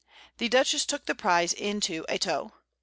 The Dutchess took the Prize into a Tow.